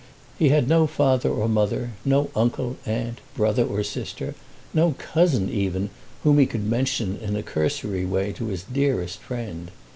He had no father or mother, no uncle, aunt, brother or sister, no cousin even whom he could mention in a cursory way to his dearest friend.